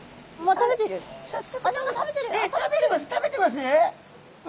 食べてます？